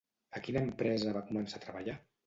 A quina empresa va començar a treballar?